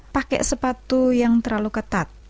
pakai sepatu yang terlalu ketat